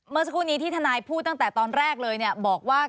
เมื่อสักครู่นี้ที่ทนายพูดตั้งแต่ตอนแรกเลยบอกว่า